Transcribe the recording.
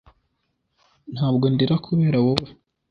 ntabwo ndira kubera wowe